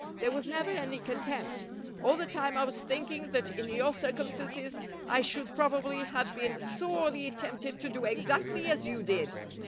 There was never any contempt. All the time I was thinking that in your circumstances I should probably have been sorely tempted to do exactly as you did.